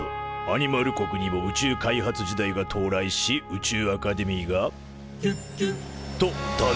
アニマル国にも宇宙開発時代が到来し宇宙アカデミーが「ギュギュッ」と誕生。